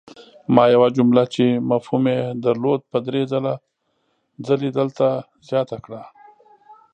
ما یوه جمله چې مفهوم ېې درلود په دري ځلې دلته زیاته کړه!